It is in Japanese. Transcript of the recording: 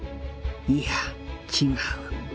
いや違う